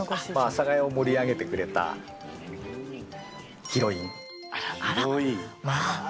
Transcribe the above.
阿佐ヶ谷を盛り上げてくれたあらまあ。